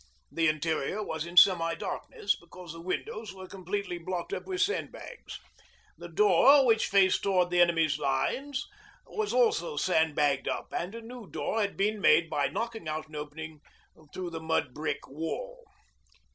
The interior was in semi darkness, because the windows were completely blocked up with sandbags. The door, which faced towards the enemy's lines, was also sandbagged up, and a new door had been made by knocking out an opening through the mud brick wall.